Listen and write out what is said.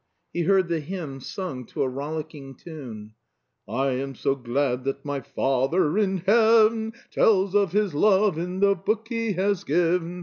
He heard the hymn sung to a rollicking tune: "I am so glad that my Father in heaven Tells of His love in the book He has given.